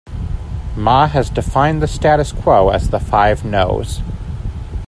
Ma has defined the status quo as the Five No's.